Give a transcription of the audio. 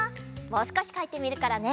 もうすこしかいてみるからね。